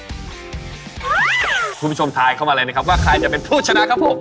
คุณผู้ชมทายเข้ามาเลยนะครับว่าใครจะเป็นผู้ชนะครับผม